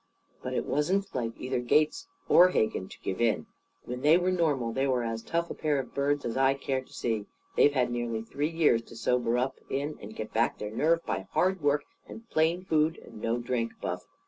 "But that wasn't like either Gates or Hegan to give in. When they were normal, they were as tough a pair of birds as I care to see. They've had nearly three years to sober up in and get back their nerve by hard work and plain food and no drink, Buff.